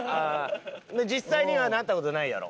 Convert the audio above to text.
実際にはなった事ないやろ？